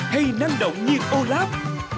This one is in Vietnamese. hay năng động như olaf